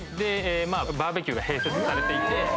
バーベキューが併設されていて。